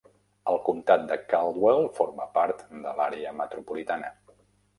El comtat de Caldwell forma part de l'àrea metropolitana.